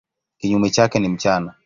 Kinyume chake ni mchana.